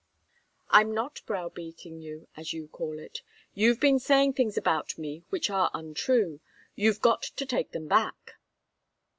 "I'm not browbeating you, as you call it. You've been saying things about me which are untrue. You've got to take them back."